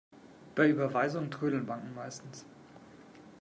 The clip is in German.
Bei Überweisungen trödeln Banken meistens.